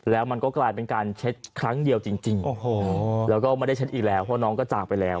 แล้วมันก็กลายเป็นการเช็ดครั้งเดียวจริงแล้วก็ไม่ได้เช็ดอีกแล้วเพราะน้องก็จากไปแล้ว